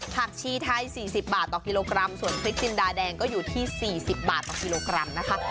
ชีไทย๔๐บาทต่อกิโลกรัมส่วนพริกจินดาแดงก็อยู่ที่๔๐บาทต่อกิโลกรัมนะคะ